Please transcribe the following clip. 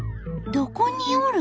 どこにおる？